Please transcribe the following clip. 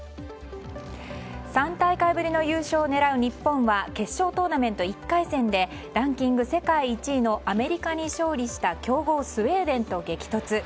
３大会ぶりの優勝を狙う日本は決勝トーナメント１回戦でランキング世界１位のアメリカに勝利した強豪スウェーデンと激突。